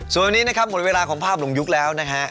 ส่วนวันนี้นะครับหมดเวลาของภาพหลงยุคแล้วนะฮะ